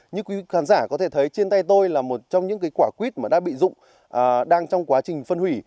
như quý khán giả có thể thấy trên tay tôi là một trong những quả quýt mà đã bị dụng đang trong quá trình phân hủy